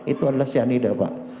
itu adalah cyanida pak